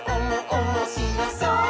おもしろそう！」